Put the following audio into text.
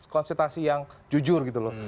konsultasi yang jujur gitu loh